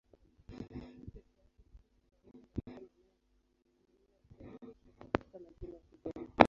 C peke yake si kawaida katika maneno ya Kiswahili isipokuwa katika majina ya kigeni.